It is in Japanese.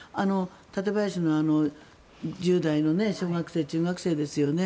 館林の１０代の小学生中学生ですよね